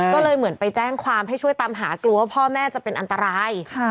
ก็เลยเหมือนไปแจ้งความให้ช่วยตามหากลัวว่าพ่อแม่จะเป็นอันตราย